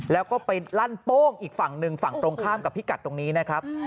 แล้วก็ไปลั่นโป้งอีกฝั่งหนึ่งฝั่งตรงข้ามกับพิกัดตรงนี้นะครับ